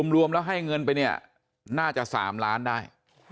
รวมแล้วให้เงินไปเนี่ยน่าจะ๓ล้านได้